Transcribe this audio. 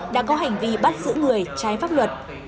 đã có hành vi bắt giữ người trái pháp luật